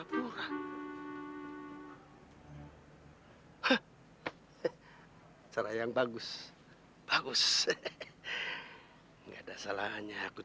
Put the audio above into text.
benar benar apas aku